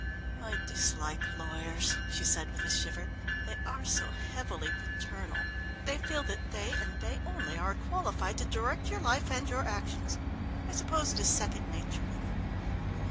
"I dislike lawyers," she said with a shiver, "they are so heavily paternal! They feel that they and they only are qualified to direct your life and your actions. I suppose it is second nature with them.